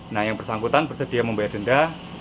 nah yang bersangkutan bersedia membayar denda